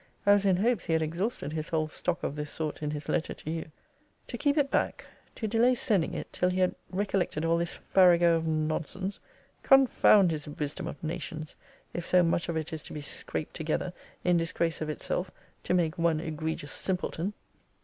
I was in hopes he had exhausted his whole stock of this sort in his letter to you. To keep it back, to delay sending it, till he had recollected all this farrago of nonsense confound his wisdom of nations, if so much of it is to be scraped together, in disgrace of itself, to make one egregious simpleton!